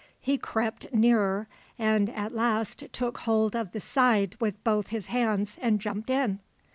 He crept nearer, and at last took hold of the side with both his hands and jumped in.